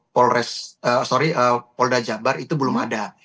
polres sorry polda jabar itu belum ada